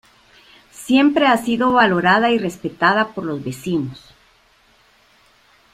Siempre ha sido valorada y respetada por los vecinos.